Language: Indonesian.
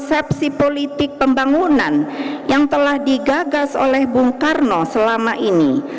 persepsi politik pembangunan yang telah digagas oleh bung karno selama ini